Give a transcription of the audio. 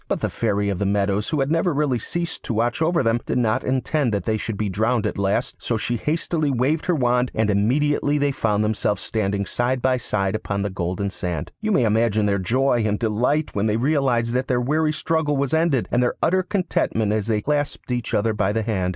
But the Fairy of the Meadows, who had really never ceased to watch over them, did not intend that they should be drowned at last, so she hastily waved her wand, and immediately they found themselves standing side by side upon the golden sand. You may imagine their joy and delight when they realised that their weary struggle was ended, and their utter contentment as they clasped each other by the hand.